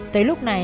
tới lúc này